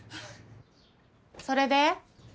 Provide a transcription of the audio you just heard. それで？